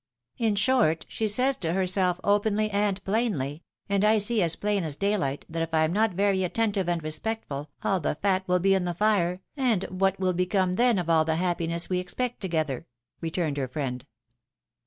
In short, she says so herself, openly and plainly ; and I see as plain as dayhght, that if I am not very attentive and respectful, all the fat will be in the fire, and what will become then of all the happiness we expect together ?" returned her friend.